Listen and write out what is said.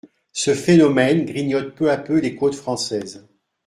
Ce phénomène grignote peu à peu les côtes françaises.